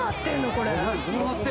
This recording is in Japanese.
これ。